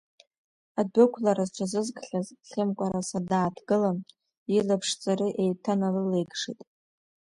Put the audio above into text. Адәықәлара зҽазызкхьаз Хьымкәараса дааҭгылан, илаԥш ҵары еиҭаналылаикшеит.